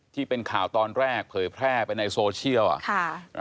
ที่เป็นข่าวตอนแรกเผยแพร่ไปในโซเชียลอ่ะค่ะ